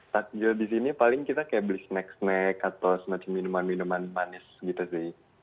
takjil di sini paling kita kayak beli snack snack atau semacam minuman minuman manis gitu sih